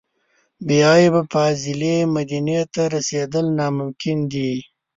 بې عیبه فاضلې مدینې ته رسېدل ناممکن دي.